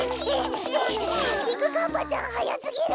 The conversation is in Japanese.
きくかっぱちゃんはやすぎる！